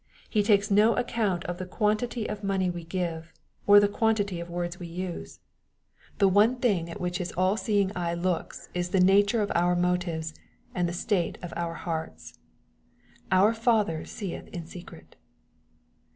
He takes no account of the quantity of money we give, or the quantity of words we use. The one thing at which His all seeing eye looks is the nature of our motives, and the state of our hearts. " Our Father seeth in secret."